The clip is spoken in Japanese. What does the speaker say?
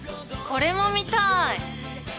これも見たい。